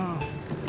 eh masih mas